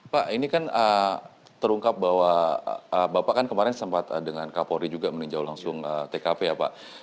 pak ini kan terungkap bahwa bapak kan kemarin sempat dengan kapolri juga meninjau langsung tkp ya pak